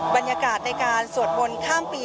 บรรยากาศในการสวดมนต์ข้ามปี